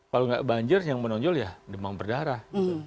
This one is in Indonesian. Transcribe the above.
kalau nggak banjir yang menonjol ya demam berdarah